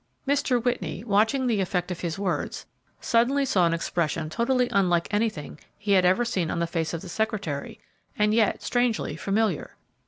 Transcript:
Mr. Whitney, watching the effect of his words, suddenly saw an expression totally unlike anything he had ever seen on the face of the secretary, and yet strangely familiar.